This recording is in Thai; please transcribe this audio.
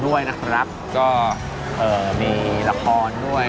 ด้วยนะครับรักก็เอ่อมีราคาด้วย